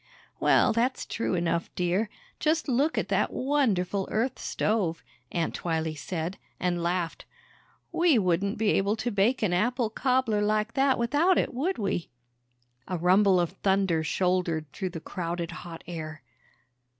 "Well, that's true enough, dear. Just look at that wonderful Earth stove," Aunt Twylee said, and laughed. "We wouldn't be able to bake an apple cobbler like that without it, would we?" A rumble of thunder shouldered through the crowded hot air.